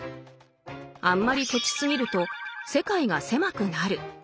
あんまりケチすぎると世界が狭くなる。